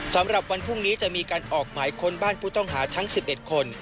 สำหรับวันพรุ่งนี้จะมีการออกหมายค้นบ้านผู้ต้องหาทั้ง๑๑คน